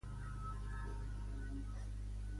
El meu nom és Iol: i, o, ela.